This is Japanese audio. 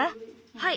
はい。